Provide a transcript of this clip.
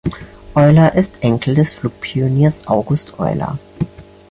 Euler ist Enkel des Flugpioniers August Euler.